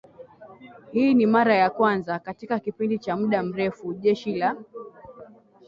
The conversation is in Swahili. Hii ni mara ya kwanza katika kipindi cha muda mrefu Jeshi la